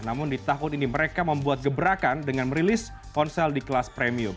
namun di tahun ini mereka membuat gebrakan dengan merilis ponsel di kelas premium